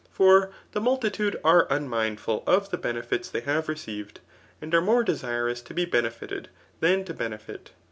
For the multitude are unmindful of the benefits they have received, and are more desirous to be benefited than to benefit.